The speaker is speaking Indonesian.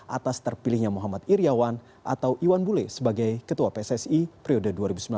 atas terpilihnya muhammad iryawan atau iwan bule sebagai ketua pssi periode dua ribu sembilan belas dua ribu dua puluh